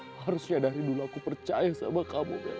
harusnya dari dulu aku percaya sama kamu